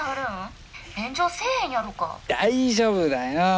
大丈夫だよ。